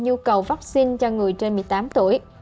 nhu cầu vaccine cho người trên một mươi tám tuổi